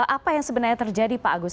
apa yang sebenarnya terjadi pak agus